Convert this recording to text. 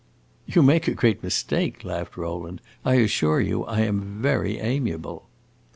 "You make a great mistake," laughed Rowland; "I assure you I am very amiable."